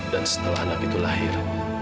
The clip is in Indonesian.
dan setelah anak itu lahir